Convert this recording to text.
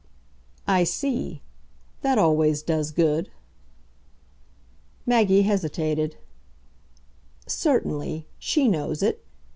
"I see. That always does good." Maggie hesitated. "Certainly she knows it.